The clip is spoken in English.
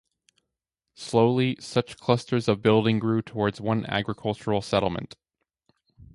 Slowly, such clusters of building grew towards one agricultural settlement.